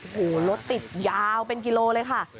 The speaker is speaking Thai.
โอ้โหรถติดยาวเป็นกิโลเลยค่ะ